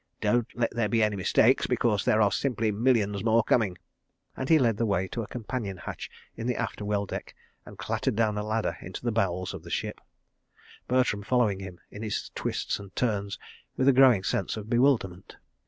... Don't let there be any mistakes, because there are simply millions more coming," and he led the way to a companion hatch in the after well deck, and clattered down a ladder into the bowels of the ship, Bertram following him in his twists and turns with a growing sense of bewilderment.